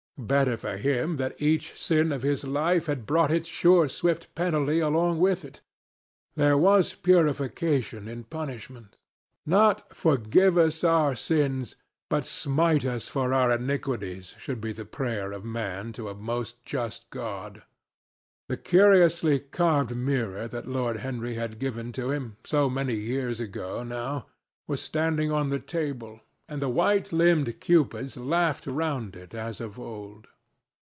Better for him that each sin of his life had brought its sure swift penalty along with it. There was purification in punishment. Not "Forgive us our sins" but "Smite us for our iniquities" should be the prayer of man to a most just God. The curiously carved mirror that Lord Henry had given to him, so many years ago now, was standing on the table, and the white limbed Cupids laughed round it as of old.